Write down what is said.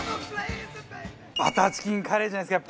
バターチキンカレーじゃないですか？